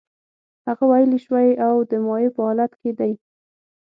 هغه ویلې شوی او د مایع په حالت کې دی.